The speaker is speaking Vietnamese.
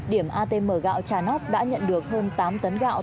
điểm atm mở gạo trà nóc đã nhận được hơn tám tấn gạo